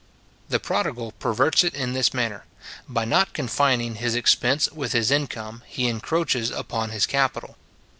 The prodigal perverts it in this manner: By not confining his expense within his income, he encroaches upon his capital.